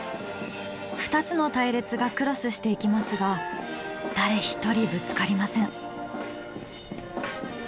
２つの隊列がクロスしていきますが誰一人ぶつかりません。